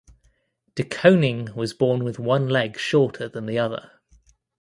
De Koning was born with one leg shorter than the other.